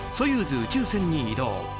宇宙船に移動。